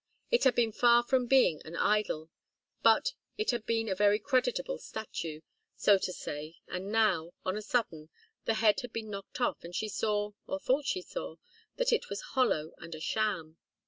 It had been far from being an idol, but it had been a very creditable statue, so to say, and now, on a sudden, the head had been knocked off it, and she saw, or thought she saw, that it was hollow and a sham.